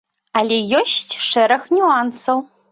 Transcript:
Але ёсць шэраг нюансаў.